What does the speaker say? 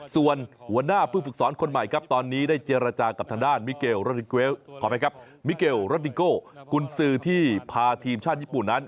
ส่วนหัวหน้าเพื่อฝึกสอนคนใหม่ครับตอนนี้ได้เจรจากับทางด้านมิเกลรัตนิโกคุณซื้อที่พาทีมชาติญี่ปุ่นนั้น